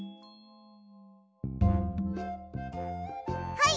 はい。